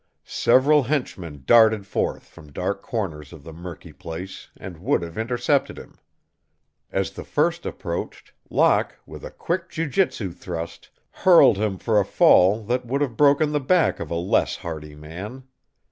Several henchmen darted forth from dark corners of the murky place and would have intercepted him. As the first approached, Locke, with a quick jiu jitsu thrust, hurled him for a fall that would have broken the back of a less hardy man.